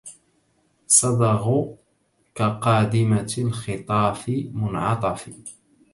صدغ كقادمة الخطاف منعطف